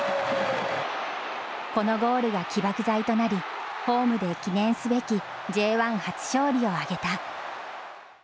このゴールが起爆剤となり、ホームで記念すべきＪ１初勝利を挙げた。